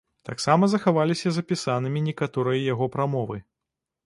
Таксама захаваліся запісанымі некаторыя яго прамовы.